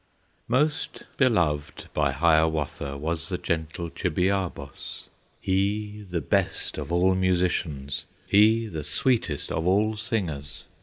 Most beloved by Hiawatha Was the gentle Chibiabos, He the best of all musicians, He the sweetest of all singers.